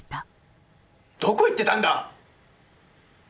どこ行ってたんだ！